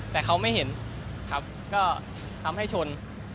แต่เขาไม่เห็นครับก็ทำให้ชน